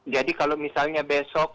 jadi kalau misalnya besok